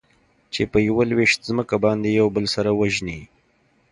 چې په يوه لوېشت ځمکه باندې يو بل سره وژني.